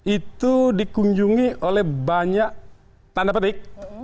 itu dikunjungi oleh banyak tanda petik